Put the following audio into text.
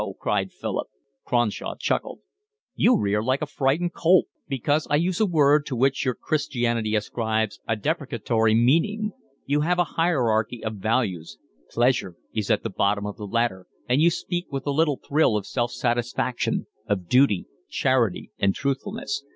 cried Philip. Cronshaw chuckled. "You rear like a frightened colt, because I use a word to which your Christianity ascribes a deprecatory meaning. You have a hierarchy of values; pleasure is at the bottom of the ladder, and you speak with a little thrill of self satisfaction, of duty, charity, and truthfulness.